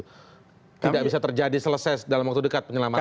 tidak bisa terjadi selesai dalam waktu dekat penyelamatan itu